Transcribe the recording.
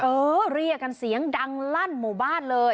เออเรียกกันเสียงดังลั่นหมู่บ้านเลย